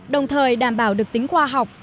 đồng thời đảm bảo được tính khoa học